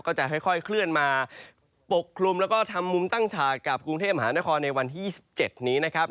ก็จะค่อยเคลื่อนมาปกคลุมแล้วก็ทำมุมตั้งฉากกับกรุงเทพมหานครในวันที่๒๗นี้นะครับ